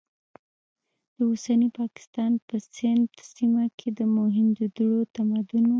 د اوسني پاکستان په سند سیمه کې د موهنجو دارو تمدن و.